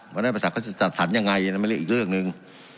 วันนั้นประสาทก็จะจัดสรรย์ยังไงนะไม่ได้อีกเรื่องนึง